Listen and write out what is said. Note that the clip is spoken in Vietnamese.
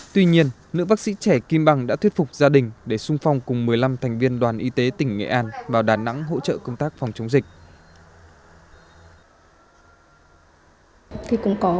tuy nhiên nữ bác sĩ trẻ kim bằng đã thuyết phục gia đình để sung phong cùng một mươi năm thành viên đoàn y tế tỉnh nghệ an vào đà nẵng hỗ trợ công tác phòng chống dịch